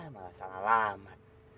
malah salah lama